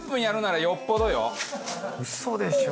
嘘でしょ？